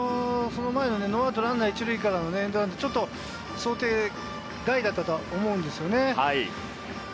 その前のノーアウトランナー１・２塁からのエンドラン、ちょっと想定外だったと思うんですよね。